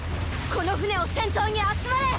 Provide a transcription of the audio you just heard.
この舟を先頭に集まれ！